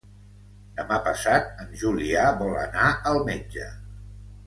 Demà passat en Julià vol anar al metge.